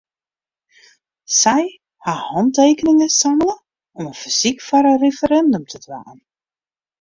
Sy ha hantekeningen sammele om in fersyk foar in referindum te dwaan.